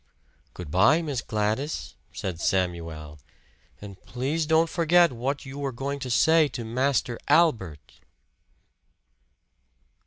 "Good by, Miss Gladys," said Samuel. "And please don't forget what you were going to say to Master Albert!"